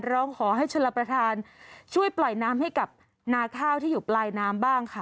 ร้องขอให้ชลประธานช่วยปล่อยน้ำให้กับนาข้าวที่อยู่ปลายน้ำบ้างค่ะ